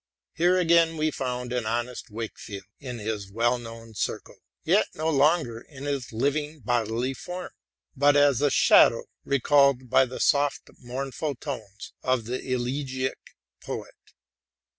Here, again, we found an honest Wakefield, in his well known cirele, vet no longer in his living bodily form, but as a shadow aeeniicd by the soft, seal tones of the elegiac poet.